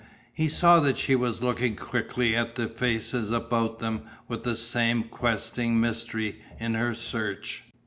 He saw that she was looking quickly at the faces about them with that same questing mystery in her search.